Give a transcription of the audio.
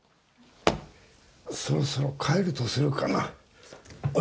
そろそろ帰るとするかな。